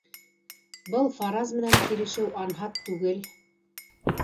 Был фараз менән килешеү анһат түгел.